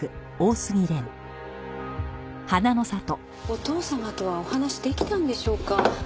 お父様とはお話し出来たんでしょうか？